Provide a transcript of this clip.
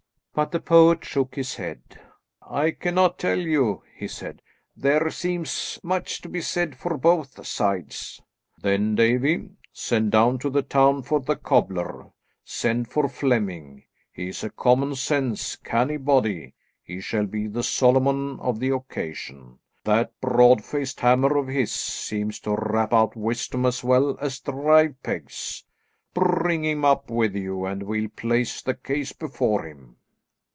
But the poet shook his head. "I cannot tell you," he said. "There seems much to be said for both sides." "Then, Davie, send down to the town for the cobbler; send for Flemming, he is a common sense, canny body; he shall be the Solomon of the occasion. That broad faced hammer of his seems to rap out wisdom as well as drive pegs. Bring him up with you, and we'll place the case before him."